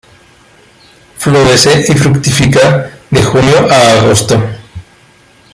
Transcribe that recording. Florece y fructifica de junio a agosto.